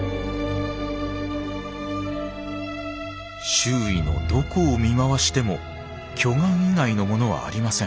周囲のどこを見回しても巨岩以外のものはありません。